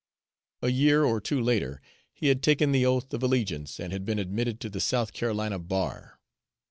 A year or two later, he had taken the oath of allegiance, and had been admitted to the South Carolina bar.